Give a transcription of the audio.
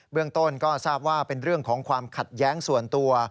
เรื่องต้นก็ทราบว่าเป็นเรื่องของความขัดแย้งส่วนตัว